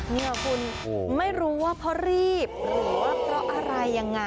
เนี่ยคุณไม่รู้ว่าเพราะรีบหรือว่าเพราะอะไรยังไง